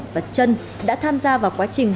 và trân đã tham gia vào quá trình